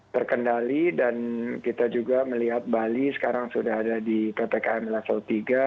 terkendali dan kita juga melihat bali sekarang sudah ada di ppkm level tiga